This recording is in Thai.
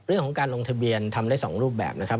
เรื่องของการลงทะเบียนทำได้๒รูปแบบนะครับ